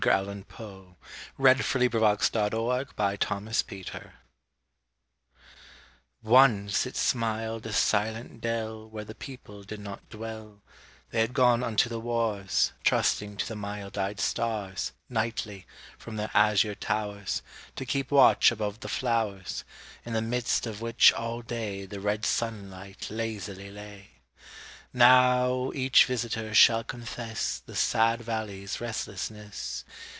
[Illustration: To Helen] THE VALLEY OF UNREST Once it smiled a silent dell Where the people did not dwell; They had gone unto the wars, Trusting to the mild eyed stars, Nightly, from their azure towers, To keep watch above the flowers, In the midst of which all day The red sunlight lazily lay. Now each visitor shall confess The sad valley's restlessness.